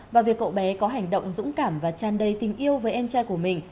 và việc cậu bé có hành động dũng cảm và tràn đầy tình yêu với em trai của mình